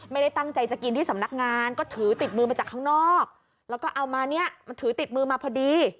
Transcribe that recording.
ไม่ได้ตั้งใจจะกินที่สำนักงานก็ถือติดมือมาจากข้างนอกแล้วก็เอามาเนี่ยมันถือติดมือมาพอดี